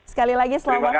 sekali lagi selamat hari raya